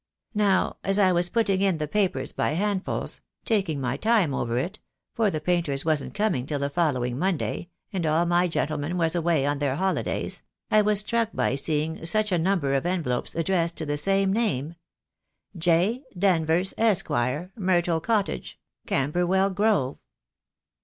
Now, as I was putting in the papers by handfuls — taking my time over it, for the painters wasn't coming till the following Monday, and all my gen tlemen was away on their holidays — I was struck by THE DAY WILL COME. 67 seeing such a number of envelopes addressed to the same name — J. Danvers, Esq., Myrtle Cottage, Camberwell Grove.